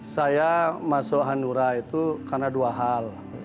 saya masuk handura itu karena dua hal